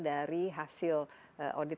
dari hasil audit